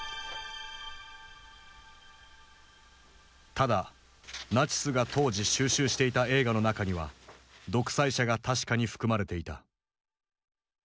ただナチスが当時収集していた映画の中には「独裁者」が確かに含まれていた。